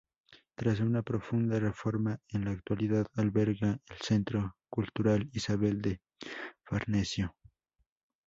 Tras una profunda reforma, en la actualidad alberga el Centro Cultural Isabel de Farnesio.